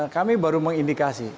kami baru mengindikasi